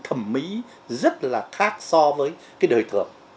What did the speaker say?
cái thẩm mỹ rất là khác so với cái đời thuộc